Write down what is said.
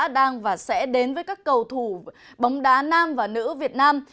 đang và sẽ đến với các cầu thủ bóng đá nam và nữ việt nam